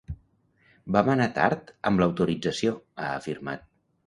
“Vam anar tard amb l’autorització”, ha afirmat.